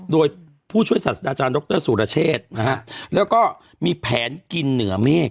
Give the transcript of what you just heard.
โดยผู้ช่วยศาสตราจารย์ดรสุรเชษนะฮะแล้วก็มีแผนกินเหนือเมฆ